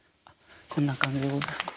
こんな感じでございます。